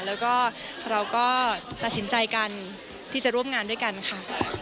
แล้วก็เราก็ตัดสินใจกันที่จะร่วมงานด้วยกันค่ะ